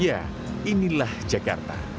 ya inilah jakarta